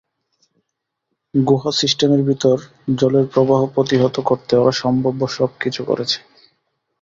গুহা সিস্টেমের ভিতর জলের প্রবাহ প্রতিহত করতে ওরা সম্ভাব্য সবকিছু করছে।